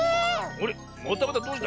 またまたどうした？